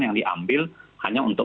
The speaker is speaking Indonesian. yang diambil hanya untuk